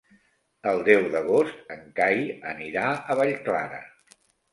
El deu d'agost en Cai anirà a Vallclara.